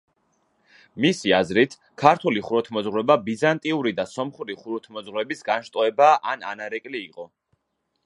მისი აზრით, ქართული ხუროთმოძღვრება ბიზანტიური და სომხური ხუროთმოძღვრების განშტოება ან ანარეკლი იყო.